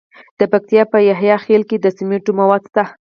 د پکتیکا په یحیی خیل کې د سمنټو مواد شته.